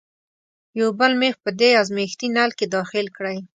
یو بل میخ په دې ازمیښتي نل کې داخل کړئ.